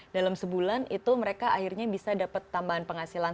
dalam sebulan itu mereka akhirnya bisa dapat tambahan penghasilan